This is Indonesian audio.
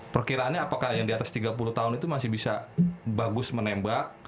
perkiraannya apakah yang di atas tiga puluh tahun itu masih bisa bagus menembak